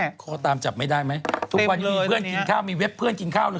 เขาตามจับไม่ได้ไหมทุกวันนี้มีเพื่อนกินข้าวมีเว็บเพื่อนกินข้าวเลย